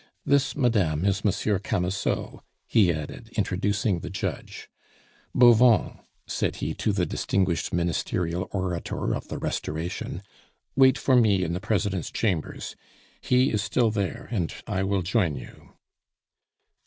This, madame, is Monsieur Camusot," he added, introducing the judge. "Bauvan," said he to the distinguished ministerial orator of the Restoration, "wait for me in the president's chambers; he is still there, and I will join you."